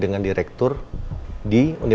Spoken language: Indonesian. setiap kisah kali